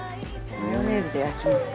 マヨネーズで焼きます。